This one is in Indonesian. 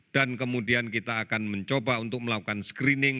dan kemudian kita akan mencoba untuk melakukan screening